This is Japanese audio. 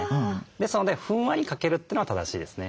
ですのでふんわりかけるというのが正しいですね。